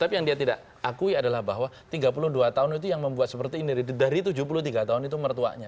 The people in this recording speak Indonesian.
tapi yang dia tidak akui adalah bahwa tiga puluh dua tahun itu yang membuat seperti ini dari tujuh puluh tiga tahun itu mertuanya